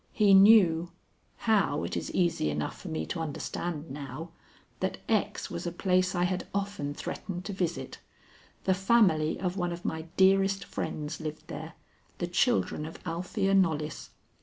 He knew how, it is easy enough for me to understand now that X. was a place I had often threatened to visit. The family of one of my dearest friends lived there, the children of Althea Knollys.